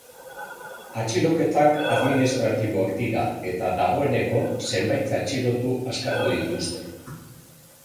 Atxiloketak administratiboak dira eta dagoeneko zenbait atxilotu askatu dituzte.